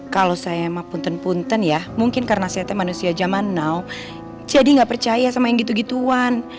kalau saya emang punten punten ya mungkin karena saya manusia zaman now jadi nggak percaya sama yang gitu gituan